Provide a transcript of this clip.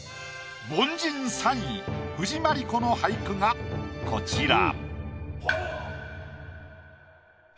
凡人３位藤真利子の俳句がこちら。